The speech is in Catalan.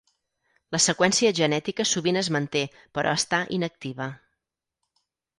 La seqüència genètica sovint es manté però està inactiva.